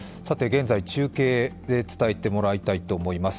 中継で伝えてもらいたいと思います。